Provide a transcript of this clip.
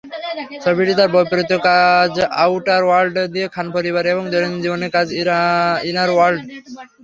ছবিটি তার বৈপরীত্য কাজ "আউটার ওয়ার্ল্ড" দিয়ে খান পরিবার এবং দৈনন্দিন জীবনের কাজ "ইনার ওয়ার্ল্ড"।